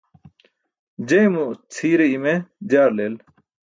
Jeymo cʰii̇re i̇me jaar leel.